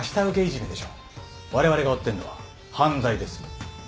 われわれが追ってるのは犯罪です。